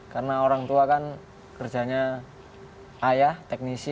karena orang tua kan kerjanya ayah teknisi